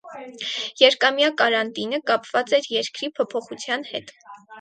Երկամյա «կարանտինը» կապված էր երկրի փոփոխության հետ։